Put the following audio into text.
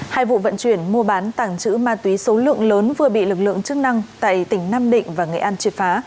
hai vụ vận chuyển mua bán tàng trữ ma túy số lượng lớn vừa bị lực lượng chức năng tại tỉnh nam định và nghệ an triệt phá